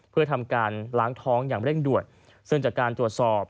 เพื่อทำการล้างท้องอย่างเร่งด่วนซึ่งจากการตรวจสอบ